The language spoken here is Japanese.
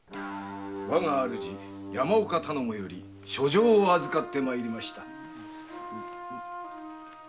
わが主山岡頼母より書状を預かって参りました。